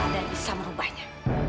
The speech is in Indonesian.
dan bisa merubahnya